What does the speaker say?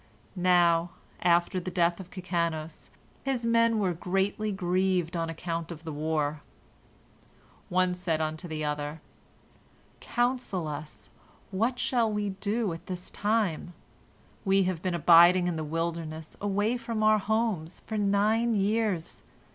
Now, after the death of Kikanos, his men were greatly grieved on account of the war. One said unto the other, "Counsel us, what shall we do at this time? We have been abiding in the wilderness, away from our homes, for nine years.